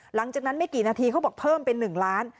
หลังจากนั้นไม่กี่นาทีเขาบอกเพิ่มเป็น๑ล้าน